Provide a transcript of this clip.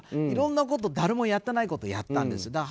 いろんな誰もやっていないことをやったんです。